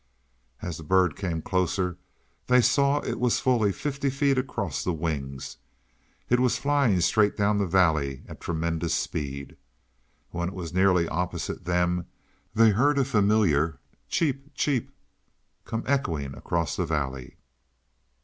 As the bird came closer they saw it was fully fifty feet across the wings. It was flying straight down the valley at tremendous speed. When it was nearly opposite them they heard a familiar "cheep, cheep," come echoing across the valley.